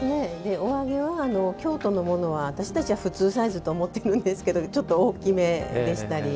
お揚げは京都のものは私たちは普通サイズと思っているんですけどちょっと大きめでしたり。